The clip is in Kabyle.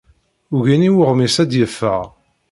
Ugin i weɣmis ad d-yeffeɣ.